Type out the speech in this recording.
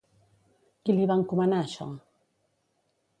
Qui li va encomanar això?